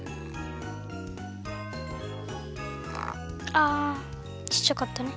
あちっちゃかったね。